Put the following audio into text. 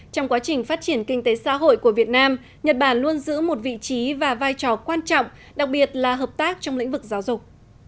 trong quá trình phát triển kinh tế xã hội của việt nam nhật bản luôn giữ một vị trí và vai trò quan trọng đặc biệt là hợp tác trong lĩnh vực giáo dục